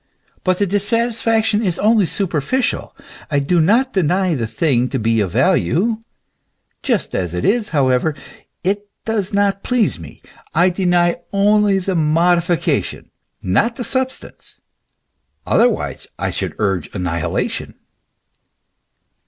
But the dissatisfaction is only superficial. I do not deny the thing to be of value ; just as it is, however, it does not please me ; I deny only the modification, not the substance, otherwise I should urge annihilation.